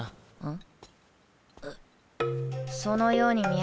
ん？